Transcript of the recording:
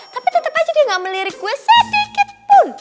tapi tetep aja dia gak melirik gue sedikit pun